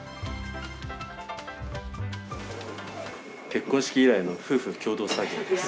結婚式以来の夫婦の共同作業です。